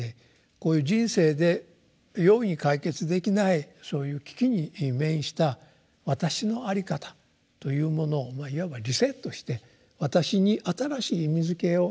こういう人生で容易に解決できないそういう危機に面した私のあり方というものをいわばリセットして私に新しい意味づけをしてくれると。